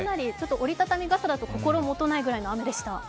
折り畳み傘だと心もとないくらいの雨でした。